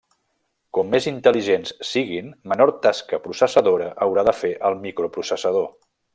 Com més intel·ligents siguin, menor tasca processadora haurà de fer el microprocessador.